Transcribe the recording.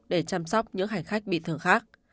để chăm sóc những hành khách bị thương khác